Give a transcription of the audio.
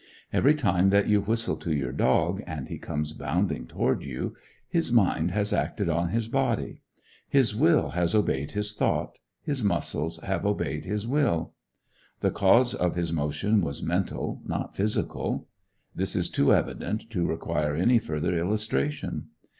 Every time that you whistle to your dog, and he comes bounding toward you, his mind has acted on his body. His will has obeyed his thought, his muscles have obeyed his will. The cause of his motion was mental, not physical. This is too evident to require any further illustration.